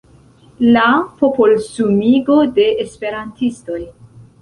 La popolsumigo de esperantistoj.